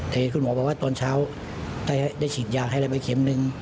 แต่คุณหมอบอกว่าตอนเช้าได้ฉีดยาให้อะไรไปเข็มนึง